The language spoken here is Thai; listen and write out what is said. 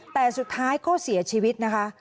แต่สุดท้ายก็เสียชีวิตนะคะ